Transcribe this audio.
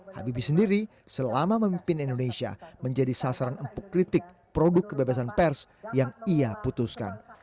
habibie sendiri selama memimpin indonesia menjadi sasaran empuk kritik produk kebebasan pers yang ia putuskan